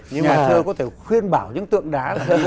nhà thư có thể khuyên bảo những tượng đá